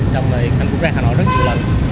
trong này hà nội rất nhiều lần